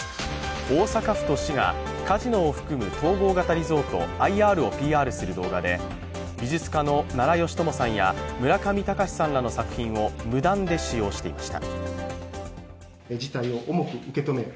大阪府と市がカジノを含む統合型リゾート＝ＩＲをＰＲする動画で、美術家の奈良美智さんや村上隆さんらの作品を無断で使用していました。